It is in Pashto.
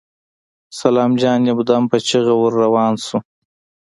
سلام جان يودم په چيغه ور روان شو.